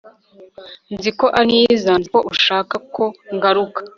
nzi ko ari mwiza. nzi ko ushaka ko ngaruka